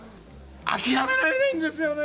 諦められないんですよね！